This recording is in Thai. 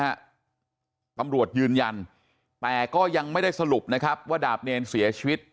ตำรวจยืนยันแต่ก็ยังไม่ได้สรุปนะครับว่าดาบเนรเสียชีวิต